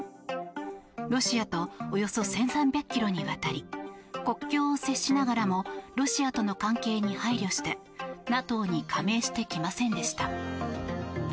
ロシアとおよそ１３００ｋｍにわたり国境を接しながらもロシアとの関係に配慮してＮＡＴＯに加盟してきませんでした。